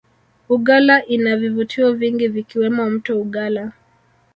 uggala inavivutio vingi vikiwemo mto ugalla